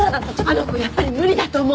あの子やっぱり無理だと思う。